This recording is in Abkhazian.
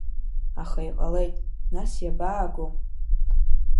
Аха иҟалеит, нас иабааго?